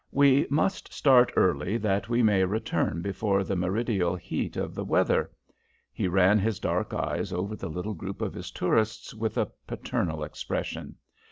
"We must start early that we may return before the meridial heat of the weather." He ran his dark eyes over the little group of his tourists with a paternal expression.